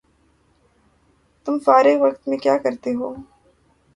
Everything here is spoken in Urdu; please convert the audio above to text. تم فارغ وقت میں کیاکرتےہو؟